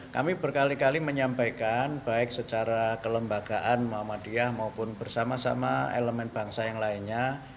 kami berkali kali menyampaikan baik secara kelembagaan muhammadiyah maupun bersama sama elemen bangsa yang lainnya